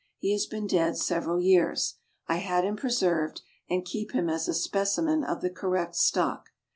He has been dead several years. I had him preserved, and keep him as a specimen of the correct stock.